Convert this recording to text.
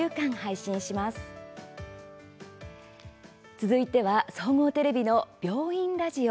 続いては、総合テレビの「病院ラジオ」。